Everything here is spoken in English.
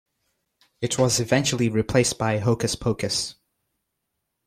It was eventually replaced by "Hokus Pokus".